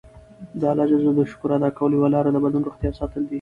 د الله ج د شکر ادا کولو یوه لاره د بدن روغتیا ساتل دي.